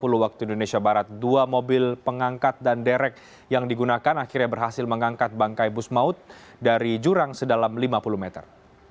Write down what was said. sepuluh waktu indonesia barat dua mobil pengangkat dan derek yang digunakan akhirnya berhasil mengangkat bangkai bus maut dari jurang sedalam lima puluh meter